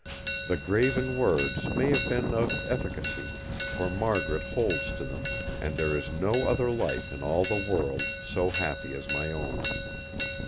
The graven words may have been of efficacy; for Margaret holds to them, and there is no other life in all the world so happy as my own.